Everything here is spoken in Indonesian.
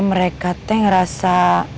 mereka teh ngerasa